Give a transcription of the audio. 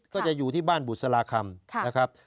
ก็จะอยู่ที่บ้านบุษราคำนะครับ